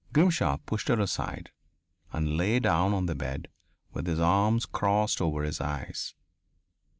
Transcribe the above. Grimshaw pushed her aside and lay down on the bed with his arms crossed over his eyes.